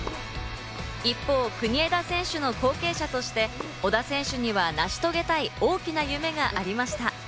一方、国枝選手の後継者として小田選手には成し遂げたい大きな夢がありました。